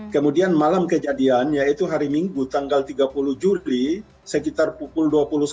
kemudian malam kejadian yaitu hari minggu tanggal tiga puluh juli sekitar pukul dua puluh satu